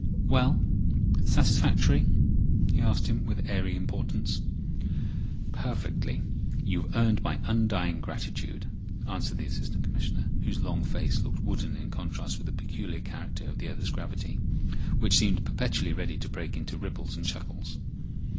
"Well? Satisfactory?" he asked, with airy importance. "Perfectly. You've earned my undying gratitude," answered the Assistant Commissioner, whose long face looked wooden in contrast with the peculiar character of the other's gravity, which seemed perpetually ready to break into ripples and chuckles.